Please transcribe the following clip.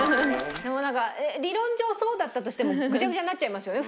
でもなんか理論上そうだったとしてもぐちゃぐちゃになっちゃいますよね